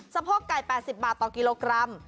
โพกไก่๘๐บาทต่อกิโลกรัม